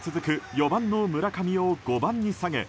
４番の村上を５番に下げ